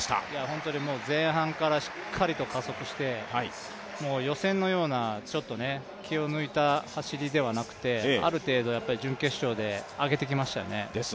本当に前半からしっかりと加速して予選のような気を抜いた走りではなくてある程度準決勝で上げてきましたね。